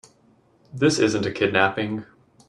This isn't a kidnapping.